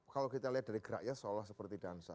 kalau kita lihat dari geraknya seolah seperti dansa